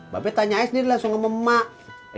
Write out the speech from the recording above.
babe tanya aja sendiri langsung sama emang